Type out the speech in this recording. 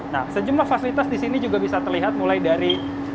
nah sejumlah fasilitas disini juga bisa terlihat mulai dari